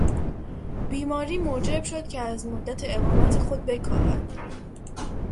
بیماری موجب شد که از مدت اقامت خود بکاهد.